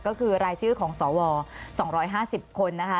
ก็คือรายชื่อของสว๒๕๐คนนะคะ